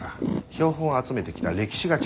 標本を集めてきた歴史が違う。